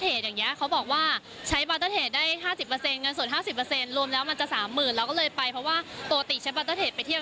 เหมือนช่วยออกช่วยกันอะไรอย่างเนี่ย